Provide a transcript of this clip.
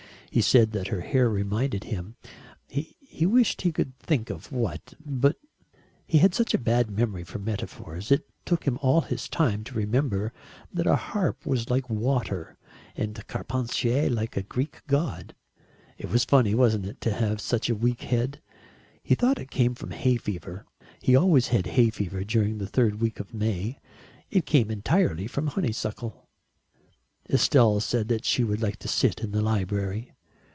He said that her hair reminded him ... he wished he could think of what, but he had such a bad memory for metaphors. It took him all his time to remember that a harp was like water and Carpentier like a Greek god. It was funny, wasn't it, to have such a weak head. He thought it came from hay fever he always had hay fever during the third week of May. It came entirely from honeysuckle. Estelle said that she would like to sit in the library.